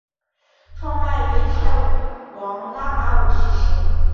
创办于泰王拉玛五世时。